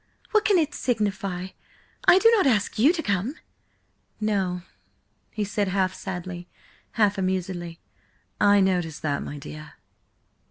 What can it signify? I do not ask you to come–" "No," he said half sadly, half amusedly. "I notice that, my dear."